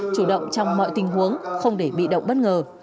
chủ động trong mọi tình huống không để bị động bất ngờ